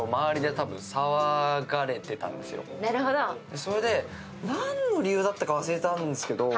それで、何の理由だったかは忘れたんですけれども。